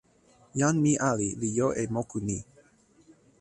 jan mi ali li jo e moku ni.